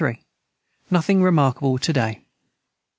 Nothing remarkable to day.